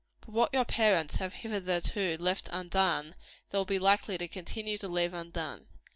But what your parents have hitherto left undone, they will be likely to continue to leave undone.